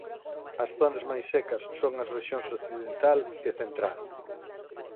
As zonas máis secas son as rexións occidental e central